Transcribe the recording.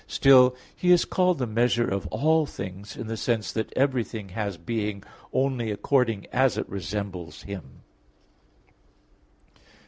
Still, He is called the measure of all things, in the sense that everything has being only according as it resembles Him.